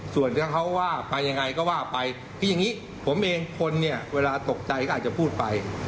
ส่วนถ้าเขาว่าไปยังไงก็ว่าไปคืออย่างนี้ผมเองคนเนี่ยเวลาตกใจก็อาจจะพูดไป